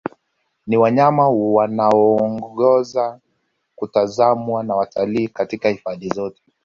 Ni wanyama wanaoongoza kutazamwa na watalii katika hifadhi zote